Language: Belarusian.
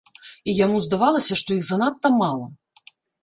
І яму здавалася, што іх занадта мала.